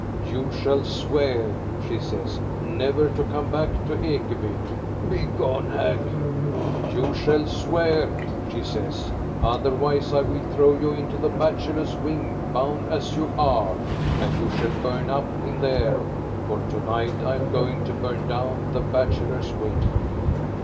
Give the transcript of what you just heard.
" You shall swear," she says, " never to come back to Ekeby." " Begone, hag !"" You shall swear," she says, " otherwise I will throw you into the bachelors' wing, bound as you are, and you shall burn up in there, for to night I am going to burn down the bachelors' wing."